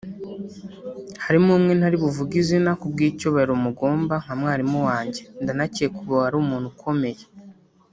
Harimo umwe ntari buvuge izina ku bw’icyubahiro mugomba nka mwarimu wanjye ndanakeka ubu ari umuntu ukomeye